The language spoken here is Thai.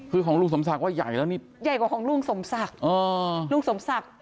คือของลุงสมศักดิ์ว่าใหญ่แล้วนี่ใหญ่กว่าของลุงสมศักดิ์